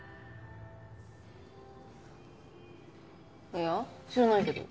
いや知らないけど。